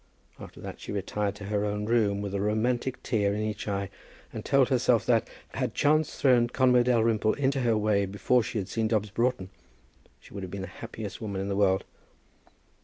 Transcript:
After that she retired to her own room with a romantic tear in each eye, and told herself that, had chance thrown Conway Dalrymple into her way before she had seen Dobbs Broughton, she would have been the happiest woman in the world.